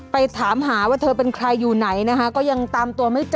ไปถามหาว่าเธอเป็นใครอยู่ไหนนะคะก็ยังตามตัวไม่เจอ